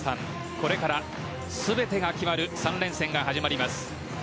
これから全てが決まる３連戦が始まります。